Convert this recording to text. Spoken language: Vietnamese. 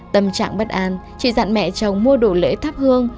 tâm trạng bất an chị dặn mẹ chồng mua đồ lễ thắp hương